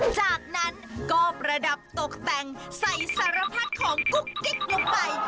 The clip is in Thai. จากนั้นก็ประดับตกแต่งใส่สารพัดของกุ๊กกิ๊กลงไป